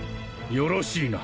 よろしいな？